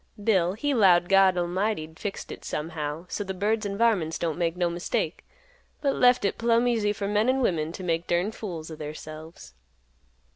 Bill he 'lowed God 'lmighty 'd fixed hit somehow so th' birds an' varmints don't make no mistake, but left hit plumb easy for men an' women t' make durned fools o' theirselves."